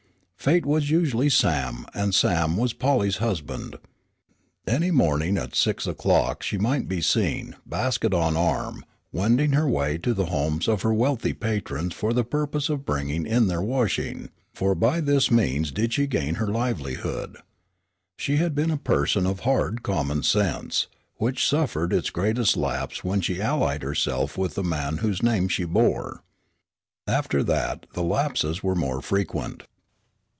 Fate was usually Sam and Sam was Polly's husband. Any morning at six o'clock she might be seen, basket on arm, wending her way to the homes of her wealthy patrons for the purpose of bringing in their washing, for by this means did she gain her livelihood. She had been a person of hard common sense, which suffered its greatest lapse when she allied herself with the man whose name she bore. After that the lapses were more frequent.